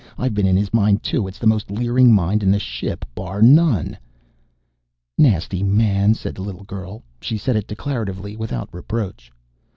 "I've been in his mind, too. It's the most leering mind in this ship, bar none." "Nasty man," said the little girl. She said it declaratively, without reproach.